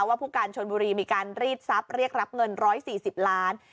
ผู้การชนบุรีมีการรีดทรัพย์เรียกรับเงิน๑๔๐ล้าน